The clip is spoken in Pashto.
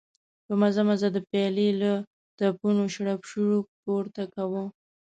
په مزه مزه د پيالې له تپونو شړپ شړوپ پورته کاوه.